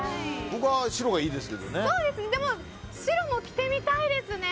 僕は白がいいですけどね。